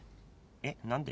えっ何で？